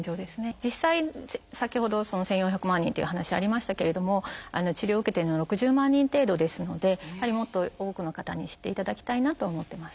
実際先ほど１，４００万人っていう話ありましたけれども治療を受けてるのは６０万人程度ですのでもっと多くの方に知っていただきたいなと思ってます。